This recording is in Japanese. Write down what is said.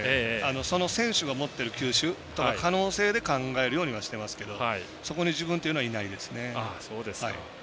その選手の持っている球種や可能性で考えるようにはしてますけどそこに自分っていうのはいないですね。